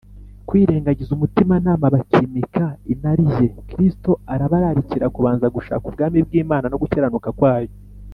, kwirengagiza umutimanama, bakimika inarijye. Kristo arabararikira kubanza gushaka ubwami bw’Imana, no gukiranuka kwayo;